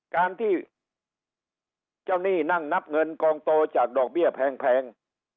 การที่เจ้าหนี้นั่งนับเงินกองโตจากดอกเบี้ยแพง